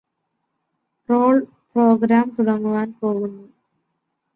role programme തുടങ്ങുവാൻ പോകുന്നു